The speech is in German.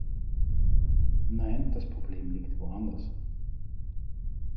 Nein, das Problem liegt woanders!